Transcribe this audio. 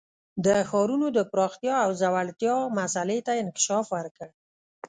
د ښارونو د پراختیا او ځوړتیا مسئلې ته یې انکشاف ورکړ